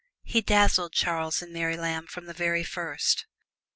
He dazzled Charles and Mary Lamb from the very first.